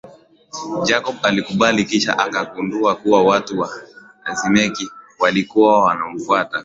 Jacob alikubali kisha akagundua kuwa watu wa Hakizemana walikuja kumfuata